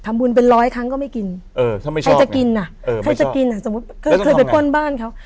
บุญเป็นร้อยครั้งก็ไม่กินใครจะกินน่ะใครจะกินอ่ะสมมุติก็เคยไปป้นบ้านเขา